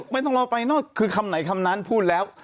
ไม่ต้องรอไฟนอกคือคำไหนคำนั้นพูดแล้ว